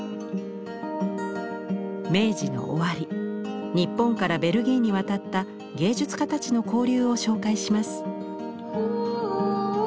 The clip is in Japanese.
明治の終わり日本からベルギーに渡った芸術家たちの交流を紹介します。